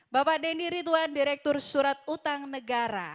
bapak denny ridwan direktur surat utang negara